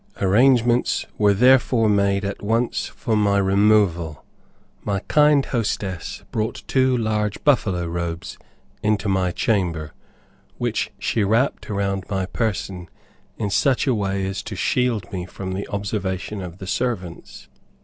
Arrangements were therefore made at once for my removal. My kind hostess brought two large buffalo robes into my chamber, which she wrapped around my person in such a way as to shield me from the observation of the servants.